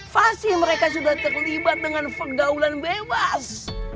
fasih mereka sudah terlibat dengan pergaulan bebas